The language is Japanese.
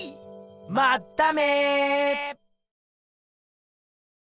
まっため！